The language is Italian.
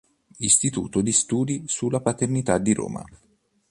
Istituto di Studi sulla Paternità di Roma.